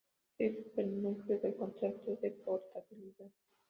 Éste es el núcleo del concepto de portabilidad.